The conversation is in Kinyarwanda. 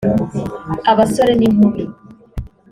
abasore n’inkumi